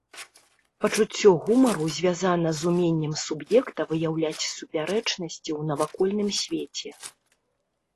Пачуццё гумару звязана з уменнем суб'екта выяўляць супярэчнасці ў навакольным свеце.